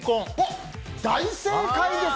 大正解です！